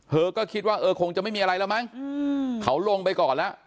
เธอก็คิดว่าเออคงจะไม่มีอะไรแล้วมั้งเขาลงไปก่อนแล้ว